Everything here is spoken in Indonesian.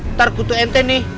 ntar kutuk ente nih